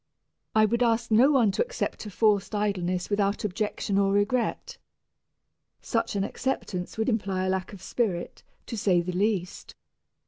I would ask no one to accept a forced idleness without objection or regret. Such an acceptance would imply a lack of spirit, to say the least.